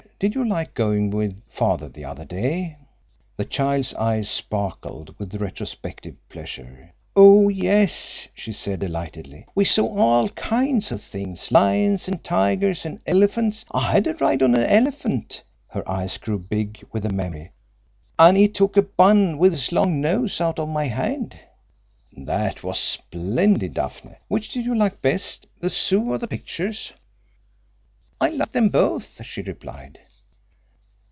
Did you like going with father the other day?" The child's eyes sparkled with retrospective pleasure. "Oh, yes," she said, delightedly. "We saw all kinds of things: lions and tigers, and elephants. I had a ride on a elephant" her eyes grew big with the memory "an' 'e took a bun with his long nose out of my hand." "That was splendid, Daphne! Which did you like best the Zoo or the pictures?" "I liked them both," she replied.